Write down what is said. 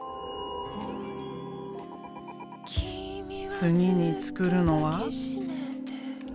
次に作るのは。